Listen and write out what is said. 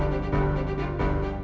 kita ikut indi yuk